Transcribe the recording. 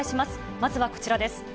まずはこちらです。